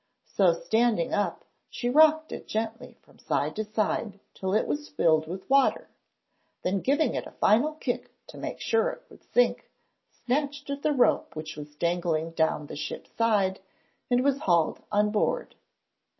So standing up she rocked it gently from side to side till it was filled with water, then giving it a final kick to make sure it would sink, snatched at the rope which was dangling down the ship's side, and was hauled on board.